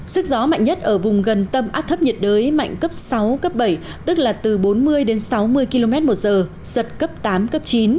sức gió mạnh nhất ở vùng gần tâm áp thấp nhiệt đới mạnh cấp sáu cấp bảy tức là từ bốn mươi đến sáu mươi km một giờ giật cấp tám cấp chín